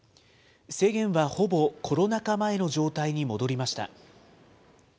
制限はほぼコロナ禍前の状態に戻りました。